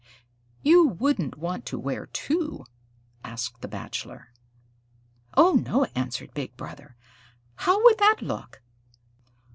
"You wouldn't want to wear two?" asked the Bachelor. "Oh, no," answered Big Brother. "How that would look!"